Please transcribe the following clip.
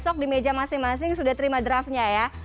besok di meja masing masing sudah terima draftnya ya